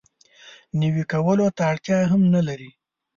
نوي کولو ته اړتیا هم نه لري.